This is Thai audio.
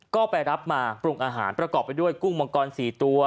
ก็ไปรับมาปรุงอาหารประกอบไปด้วยกุ้งมังกร๔ตัว